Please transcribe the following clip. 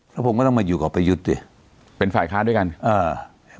แล้วผมก็ต้องมาอยู่กับประยุทธ์ดิเป็นฝ่ายค้าด้วยกันอ่า